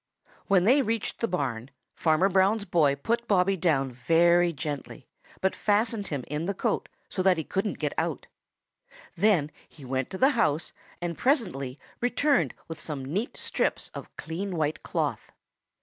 When they reached the barn, Farmer Brown's boy put Bobby down very gently, but fastened him in the coat so that he couldn't get out. Then he went to the house and presently returned with some neat strips of clean white cloth.